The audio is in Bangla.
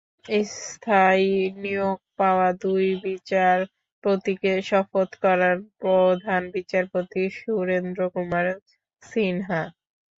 স্থায়ী নিয়োগ পাওয়া দুই বিচারপতিকে শপথ করান প্রধান বিচারপতি সুরেন্দ্র কুমার সিনহা।